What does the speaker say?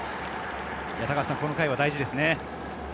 この回は大事ですね。